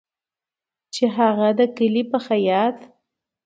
چې هغه د کلي په خیاط